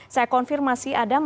saya konfirmasi adam